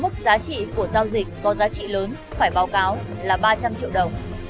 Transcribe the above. mức giá trị của giao dịch có giá trị lớn phải báo cáo là ba trăm linh triệu đồng